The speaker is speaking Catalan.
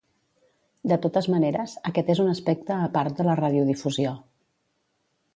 De totes maneres, aquest és un aspecte a part de la radiodifusió.